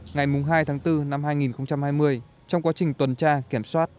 ngày hai tháng bốn năm hai nghìn hai mươi trong quá trình tuần tra kiểm soát